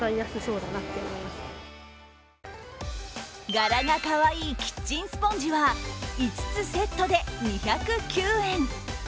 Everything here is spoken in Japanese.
柄がかわいいキッチンスポンジは５つセットで２０９円。